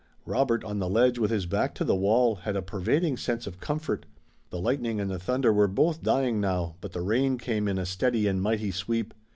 Robert on the ledge with his back to the wall had a pervading sense of comfort. The lightning and the thunder were both dying now, but the rain came in a steady and mighty sweep.